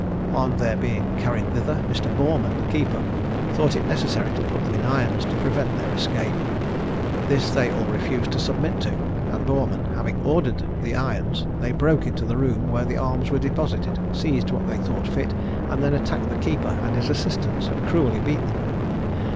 On their being carried thither, Mr. Boreman, the keeper, thought it necessary to put them in irons, to prevent their escape. This they all refused to submit to; and Boreman having ordered the irons, they broke into the room where the arms were deposited, seized what they thought fit, and then attacked the keeper and his assistants, and cruelly beat them.